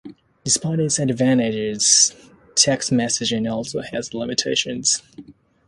Despite its advantages, text messaging also has limitations.